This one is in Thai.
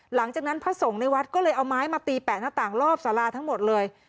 หลังจากนั้นพระสงฆ์ในวัดก็เลยเอาไม้มาตีแปะหน้าต่างรอบสาราทั้งหมดเลย